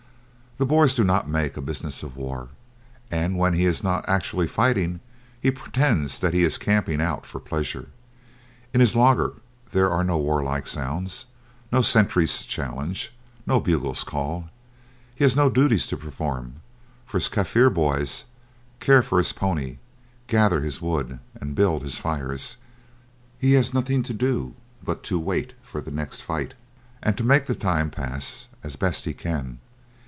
The Boer does not make a business of war, and when he is not actually fighting he pretends that he is camping out for pleasure. In his laager there are no warlike sounds, no sentries challenge, no bugles call. He has no duties to perform, for his Kaffir boys care for his pony, gather his wood, and build his fire. He has nothing to do but to wait for the next fight, and to make the time pass as best he can.